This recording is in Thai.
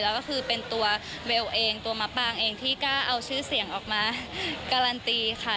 แล้วก็คือเป็นตัวเบลเองตัวมะปางเองที่กล้าเอาชื่อเสียงออกมาการันตีค่ะ